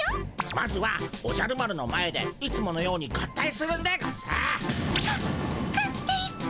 まずはおじゃる丸の前でいつものように合体するんでゴンス。が合体っピ。